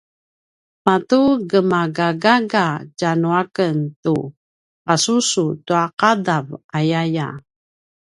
matugemagagaga tjanuaken tu pasusu tua ’adav ayaya